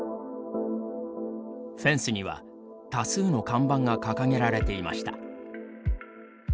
フェンスには多数の看板が掲げられていました。